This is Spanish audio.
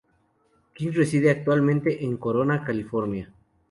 King reside actualmente en Corona, California.